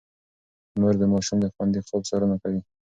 مور د ماشوم د خوندي خوب څارنه کوي.